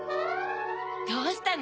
どうしたの？